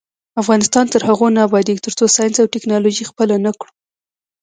افغانستان تر هغو نه ابادیږي، ترڅو ساینس او ټیکنالوژي خپله نکړو.